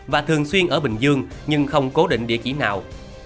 và thường xuyên ở bình dương nhưng không cố định địa chỉ nào